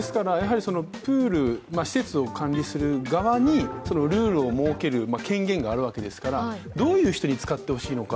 プール、施設を管理する側にルールを設ける権限があるわけですから、どういう人に使ってほしいのか、